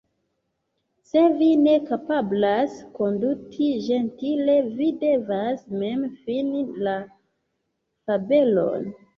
Se vi ne kapablas konduti ĝentile, vi devas mem fini la fabelon."